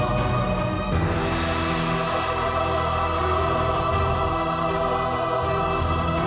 aku akan menunggu